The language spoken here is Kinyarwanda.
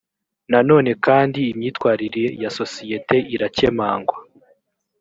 na none kandi imyitwarire ya sosiyete irakemangwa